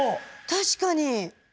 確かに。